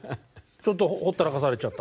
ちょっとほったらかされちゃった？